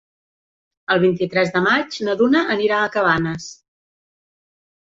El vint-i-tres de maig na Duna anirà a Cabanes.